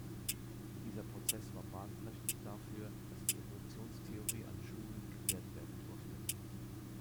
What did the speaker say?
Dieser Prozess war bahnbrechend dafür, dass die Evolutionstheorie an Schulen gelehrt werden durfte.